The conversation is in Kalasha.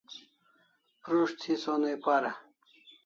Prus't thi sonai para